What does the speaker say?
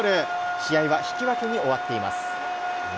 試合は引き分けに終わっています。